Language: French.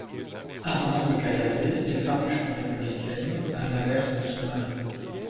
Arman de Caillavet est farouchement républicaine, à l'inverse de son mari.